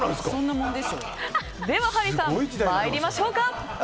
ではハリーさん参りましょうか！